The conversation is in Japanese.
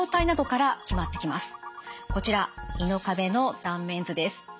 こちら胃の壁の断面図です。